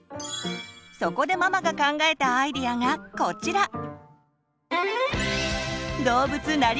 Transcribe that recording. そこでママが考えたアイデアがこちら！